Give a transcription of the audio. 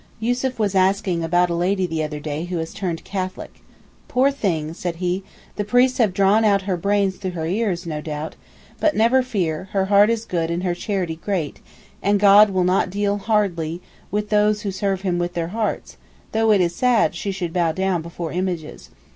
Yussuf was asking about a lady the other day who has turned Catholic. 'Poor thing,' said he, 'the priests have drawn out her brains through her ears, no doubt: but never fear, her heart is good and her charity is great, and God will not deal hardly with those who serve Him with their hearts, though it is sad she should bow down before images.